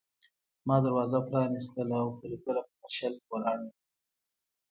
ما دروازه پرانيستله او پري ګله په درشل کې ولاړه وه